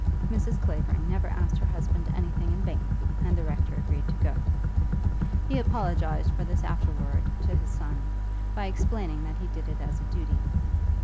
Mrs. Clavering never asked her husband anything in vain, and the rector agreed to go. He apologized for this afterwards to his son by explaining that he did it as a duty.